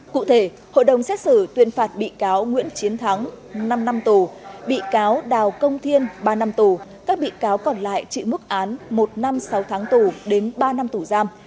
cụ thể hội đồng xét xử tuyên phạt bị cáo nguyễn chiến thắng năm năm tù bị cáo đào công thiên ba năm tù các bị cáo còn lại chịu mức án một năm sáu tháng tù đến ba năm tù giam